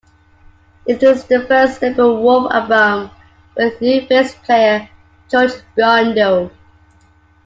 It is the first Steppenwolf album with new bass player George Biondo.